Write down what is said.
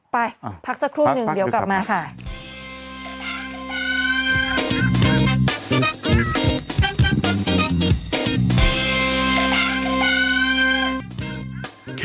ไปพักสักครู่หนึ่งเดี๋ยวกลับมาค่ะ